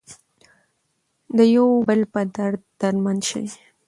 د یو بل په درد دردمن شئ.